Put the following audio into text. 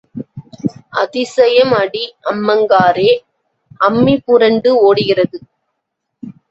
அதிசயம் அடி அம்மங்காரே, அம்மி புரண்டு ஓடுகிறது.